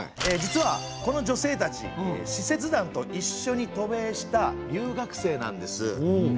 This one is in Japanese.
実はこの女性たち使節団と一緒に渡米した留学生なんです。